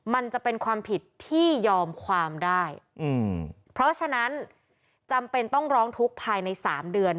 มันจะเป็นความผิดที่ยอมความได้อืมเพราะฉะนั้นจำเป็นต้องร้องทุกข์ภายในสามเดือน